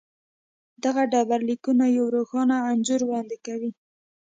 دغه ډبرلیکونه یو روښانه انځور وړاندې کوي.